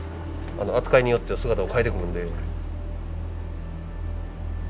扱いによっては姿を変えてくるので。